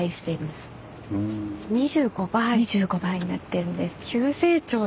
２５倍になってるんです。